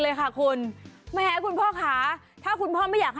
เอ็มมีโหมดจูลี่ค่ะ